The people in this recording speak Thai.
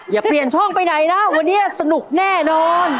อย่าเปลี่ยนช่องไปไหนนะวันนี้สนุกแน่นอน